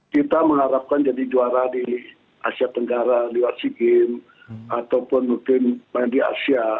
kita mengharapkan jadi juara di asia tenggara di watsi game ataupun mungkin di asia